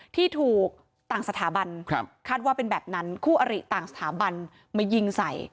ที่ถูกต่างสถาบันคาดว่าเป็นแบบนั้นคู่อริต่างสถาบันมายิงใส่